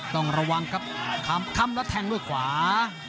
ต้องระวังครับคำแล้วแทงด้วยขวา